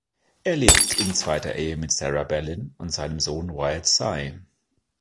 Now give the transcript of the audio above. Er lebt in zweiter Ehe mit Sarah Bellin und seinem Sohn Wyatt Cy.